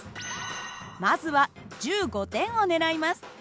まずは１５点を狙います。